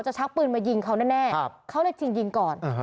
ชักปืนมายิงเขาแน่เขาเลยจริงยิงก่อน